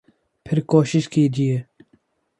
پھر کوشش کیجئے